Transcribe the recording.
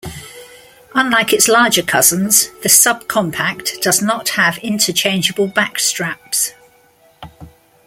Unlike its larger cousins, the SubCompact does not have interchangeable backstraps.